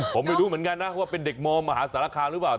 ผมไม่รู้เหมือนกันนะว่าเป็นเด็กมมหาสารคามหรือเปล่า